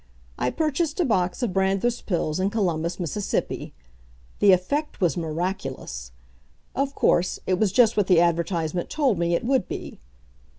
I purchased a box of Brandreth's Pills in Columbus, Miss. The effect was miraculous! Of course, it was just what the advertisement told me it would be.